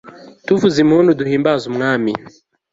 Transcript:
tuvuze impundu, duhimbaze umwami